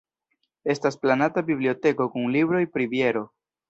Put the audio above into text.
Estas planata biblioteko kun libroj pri biero.